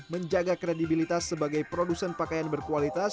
menjaga kredibilitas sebagai produsen pakaian berkualitas